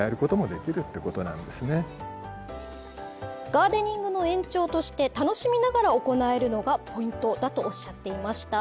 ガーデニングの延長として楽しみながら行えるのがポイントだとおっしゃっていました。